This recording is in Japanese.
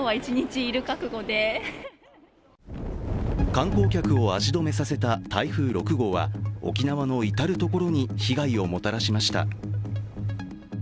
観光客を足止めさせた台風６号は沖縄の至る所に被害をもたらしました。